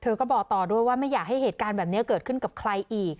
ก็บอกต่อด้วยว่าไม่อยากให้เหตุการณ์แบบนี้เกิดขึ้นกับใครอีก